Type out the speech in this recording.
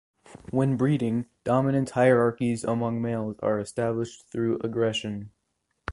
When breeding, dominance hierarchies among males are established through aggression.